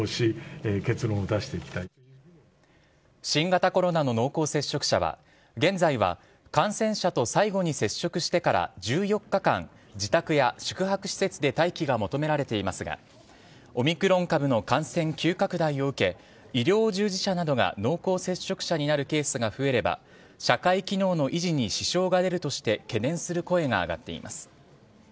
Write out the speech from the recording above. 新型コロナの濃厚接触者は現在は感染者と最後に接触してから１４日間、自宅や宿泊施設で待機が求められていますがオミクロン株の感染急拡大を受け医療従事者などが濃厚接触者になるケースが増えれば社会機能の維持に支障が出るとして懸念する声が上がっています。